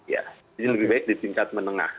jadi lebih baik di singkat menengah